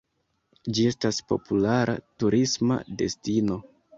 Ĝi estas populara turisma destino.